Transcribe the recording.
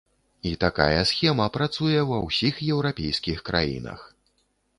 І такая схема працуе ва ўсіх еўрапейскіх краінах.